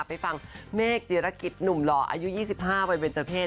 ไปฟังเมฆจิรกิจหนุ่มหล่ออายุ๒๕วัยเบนเจอร์เพศ